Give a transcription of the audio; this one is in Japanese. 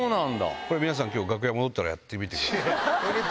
皆さん楽屋戻ったらやってみてください。